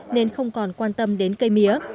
nên không còn quan tâm đến cây mía